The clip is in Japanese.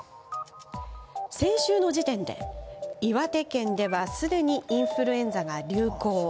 先週の時点で岩手県ではすでにインフルエンザが流行。